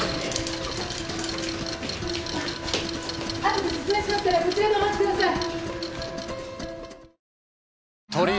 後で説明しますからこちらでお待ちください。